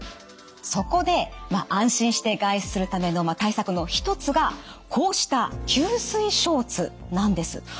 そこで安心して外出するための対策の一つがこうした吸水ショーツなんです。